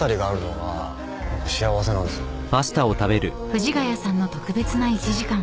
［藤ヶ谷さんの特別な１時間］